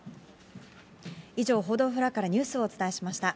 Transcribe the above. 以上、報道フロアからニュースをお伝えしました。